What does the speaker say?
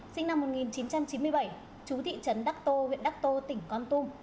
sinh năm một nghìn chín trăm chín mươi bảy chú thị trấn đắc tô huyện đắc tô tỉnh con tum